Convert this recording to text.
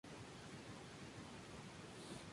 Es muy gregario.